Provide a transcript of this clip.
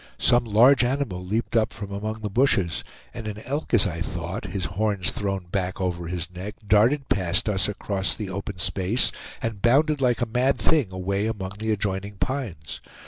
Some large animal leaped up from among the bushes, and an elk, as I thought, his horns thrown back over his neck, darted past us across the open space, and bounded like a mad thing away among the adjoining pines.